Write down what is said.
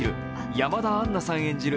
山田杏奈さん演じる